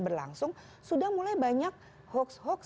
berlangsung sudah mulai banyak hoax hoax